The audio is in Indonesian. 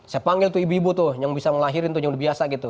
saya panggil tuh ibu ibu tuh yang bisa ngelahirin tuh yang biasa gitu